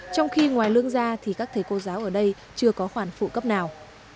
trong khi ngoài lương ra thì các thầy cô giáo ở đây chưa có khoản phụ cấp nào